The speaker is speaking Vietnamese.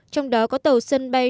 trong đó có tàu sân bay